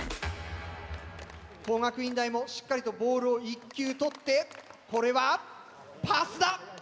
工学院大もしっかりとボールを１球とってこれはパスだ。